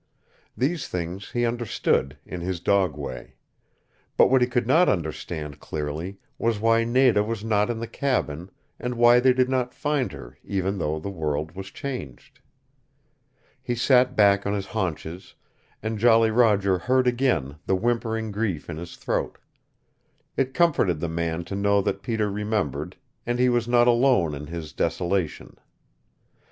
These things he understood, in his dog way. But what he could not understand clearly was why Nada was not in the cabin, and why they did not find her, even though the world was changed. He sat back on his haunches, and Jolly Roger heard again the whimpering grief in his throat. It comforted the man to know that Peter remembered, and he was not alone in his desolation.